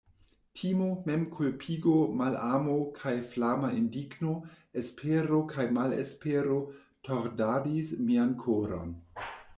Timo, memkulpigo, malamo, kaj flama indigno, espero kaj malespero tordadis mian koron.